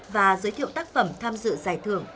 và giới thiệu tác phẩm tham dự giải thưởng